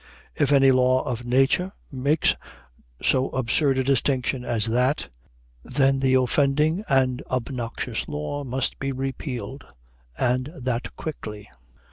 If any law of nature makes so absurd a distinction as that, then the offending and obnoxious law must be repealed, and that quickly.